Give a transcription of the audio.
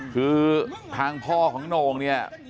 คือทางพ่อของโหน่งเนี่ย